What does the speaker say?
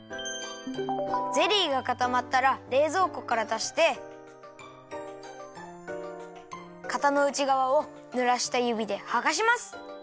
ゼリーがかたまったられいぞうこからだしてかたのうちがわをぬらしたゆびではがします。